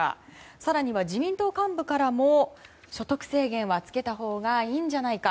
更には自民党幹部からも所得制限はつけたほうがいいんじゃないか。